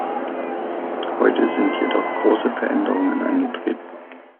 Heute sind jedoch große Veränderungen eingetreten.